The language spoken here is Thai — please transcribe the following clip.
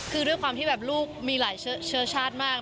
คือด้วยความที่แบบลูกมีหลายเชื้อชาติมาก